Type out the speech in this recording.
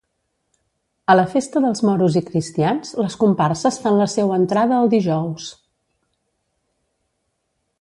A la festa dels moros i cristians, les comparses fan la seua entrada el dijous.